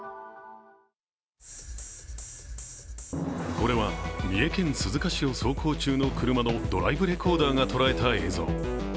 これは三重県鈴鹿市を走行中の車のドライブレコーダーが捉えた映像。